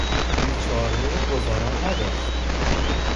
بیچاره گذران نداشت